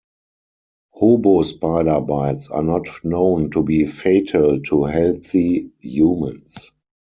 Hobo spider bites are not known to be fatal to healthy humans.